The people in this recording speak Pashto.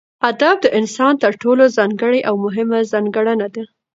ادب دانسان تر ټولو ځانګړې او مهمه ځانګړنه ده